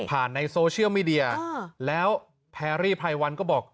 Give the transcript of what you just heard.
ในโซเชียลมีเดียแล้วแพรรี่ไพรวันก็บอก